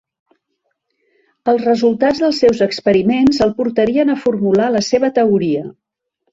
Els resultats dels seus experiments el portarien a formular la seva teoria.